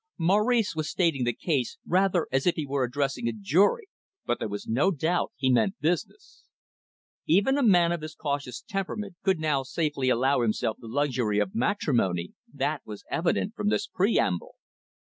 Maurice was stating the case, rather as if he were addressing a jury, but there was no doubt he meant business. Even a man of his cautious temperament could now safely allow himself the luxury of matrimony, that was evident from this preamble.